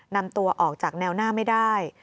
นำตัวออกจากแนวหน้าไม่ได้